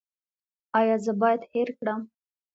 ایا زه باید هیر کړم؟